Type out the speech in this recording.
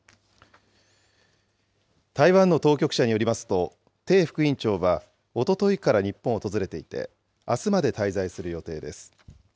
台湾の当局者によりますと、鄭副院長は、おとといから日本を訪れていて、あすまで滞在する予定です。